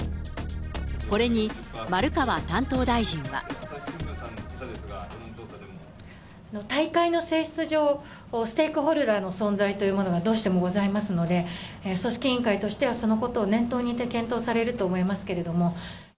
これに、大会の性質上、ステークホルダーの存在というものがどうしてもございますので、組織委員会としては、そのことを念頭に置いて検討されると思いますけれども。